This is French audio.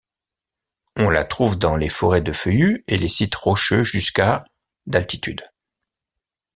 On la trouve dans les forêts de feuillus et les sites rocheux jusqu'à d'altitude.